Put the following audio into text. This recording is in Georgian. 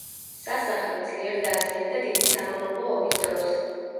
სასახლე ძლიერ დაზიანდა დიდი სამამულო ომის დროს.